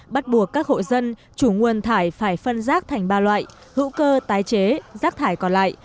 bắt buộc các hộ dân chủ nguồn thải phải phân rác thành ba loại hữu cơ tái chế rác thải còn lại